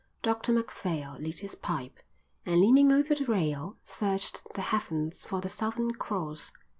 Dr Macphail lit his pipe and, leaning over the rail, searched the heavens for the Southern Cross.